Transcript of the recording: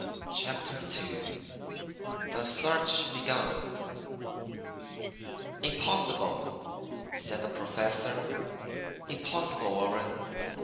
Chapter II The Search Begun "Impossible!" said the Professor. "Impossible, Warren!